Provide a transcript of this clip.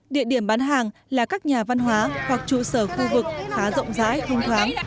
địa điểm bán hàng là các nhà văn hóa hoặc trụ sở khu vực khá rộng rãi thông thoáng